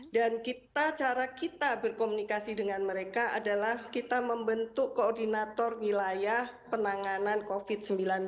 dan cara kita berkomunikasi dengan mereka adalah kita membentuk koordinator wilayah penanganan covid sembilan belas